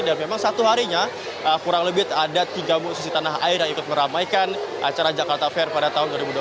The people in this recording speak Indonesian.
dan memang satu harinya kurang lebih ada tiga musisi tanah air yang ikut meramaikan acara jakarta fair pada tahun dua ribu dua puluh tiga